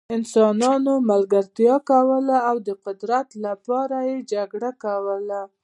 انسانانو ملګرتیا کوله او د قدرت لپاره یې جګړه کوله.